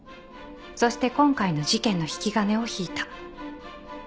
そして今回の事件の引き金を引いた。